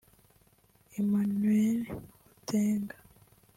Emmanuel Oteng